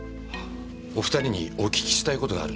お２人にお訊きしたい事があるんですが。